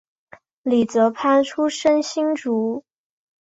李泽藩出生新竹